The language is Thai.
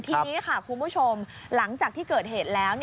ทีนี้ค่ะคุณผู้ชมหลังจากที่เกิดเหตุแล้ว